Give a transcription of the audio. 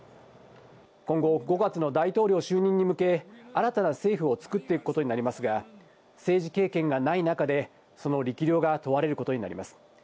今後、５月の大統領就任に向け、新たな政府をつくっていくことになりますが、政治経験がない中で、その力量が問われることになります。